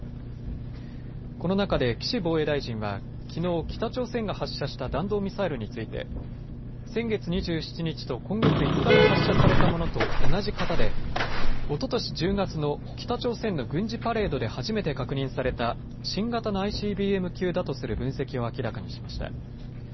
この中で岸防衛大臣はきのう北朝鮮が発射した弾道ミサイルについて先月２７日と今月５日に発射されたものと同じ型でおととし１０月の北朝鮮の軍事パレードで初めて確認された新型のＩＣＢＭ級だとする分析を明らかにしました。